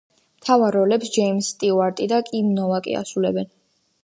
მთავარ როლებს ჯეიმზ სტიუარტი და კიმ ნოვაკი ასრულებენ.